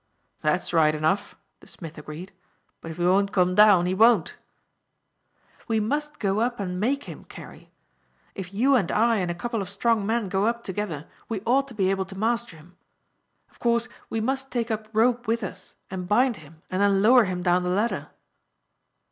"That's right enough," the smith agreed, "but if he won't come down, he won't." "We must go up and make him, Carey. If you and I and a couple of strong men go up together, we ought to be able to master him. Of course, we must take up rope with us, and bind him and then lower him down the ladder."